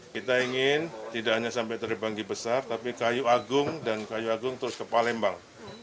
kita ingin tidak hanya sampai terbanggi besar tapi kayu agung dan kayu agung terus ke palembang